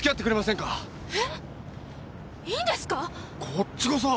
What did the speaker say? こっちこそ。